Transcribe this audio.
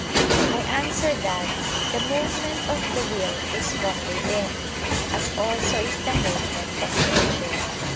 I answer that, The movement of the will is from within, as also is the movement of nature.